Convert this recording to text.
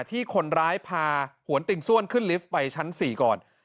ที่คนร้ายพาหวนติ่งซ่วนขึ้นลิฟต์ไปชั้น๔ก่อน